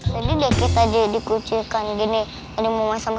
jadi deket aja dikuncikan gini ada